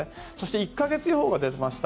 １か月予報が出ました。